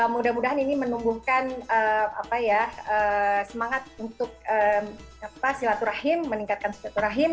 mudah mudahan ini menumbuhkan semangat untuk silaturahim meningkatkan silaturahim